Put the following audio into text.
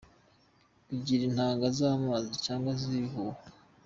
Kugira intanga z’amazi cyangwa se z’ibihuhwe.